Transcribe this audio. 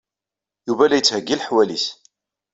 Yuba la yettheyyi leḥwal-nnes.